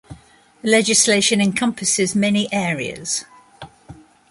The legislation encompasses many areas.